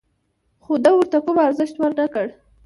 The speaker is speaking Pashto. خو ده ورته کوم ارزښت ور نه کړ.